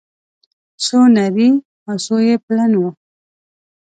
څو نري او څو يې پلن وه